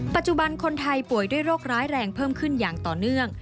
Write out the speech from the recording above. ปัจจุบันคนไทยป่วยด้วยโรคร้ายแรงเพิ่มขึ้นอย่างต่อเนื่อง